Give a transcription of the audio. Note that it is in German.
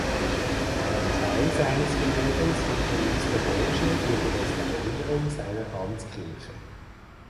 Einen Teil seines Vermögens hinterließ der Doge für die Restaurierung seiner Amtskirche.